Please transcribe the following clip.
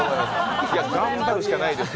頑張るしかないですよ。